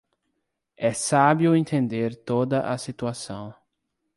É sábio entender toda a situação.